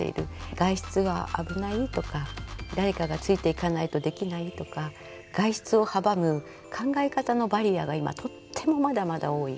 外出は危ないとか誰かがついていかないとできないとか外出を阻む考え方のバリアが今とってもまだまだ多い。